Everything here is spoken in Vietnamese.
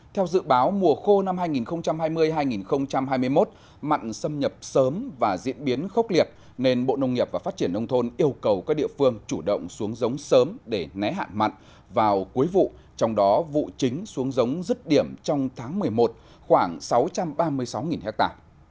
theo dự báo mùa khô năm hai nghìn hai mươi hai nghìn hai mươi một mặn xâm nhập sớm và diễn biến khốc liệt nên bộ nông nghiệp và phát triển nông thôn yêu cầu các địa phương chủ động xuống giống sớm để né hạn mặn vào cuối vụ trong đó vụ chính xuống giống rứt điểm trong tháng một mươi một khoảng sáu trăm ba mươi sáu ha